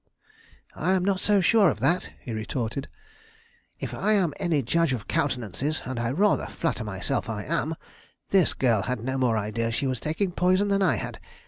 "I am not so sure of that," he retorted. "If I am any judge of countenances, and I rather flatter myself I am, this girl had no more idea she was taking poison than I had.